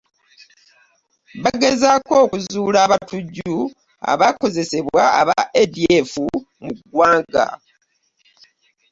Bagezaako okuzuula abatujju aaakozesebwa aba ADF mu ggwanga